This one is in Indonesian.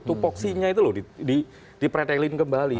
itu voksinya itu loh di pretelin kembali